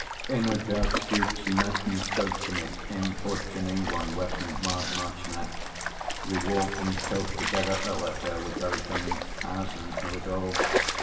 . In a dark street she met and spoke to me, Importuning, one wet and mild March night. We walked and talked together. O her tale Was very common; thousands know it all!